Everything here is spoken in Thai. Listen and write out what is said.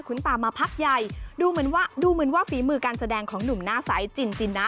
ตามมาพักใหญ่ดูเหมือนว่าดูเหมือนว่าฝีมือการแสดงของหนุ่มหน้าใสจินจินนะ